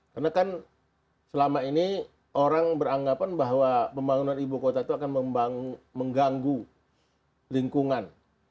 karena kan selama ini orang beranggapan bahwa pembangunan ibu kota itu akan mengganggu lingkungan